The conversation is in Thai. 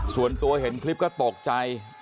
ส่วนตัวเห็นคลิปก็ตกใจ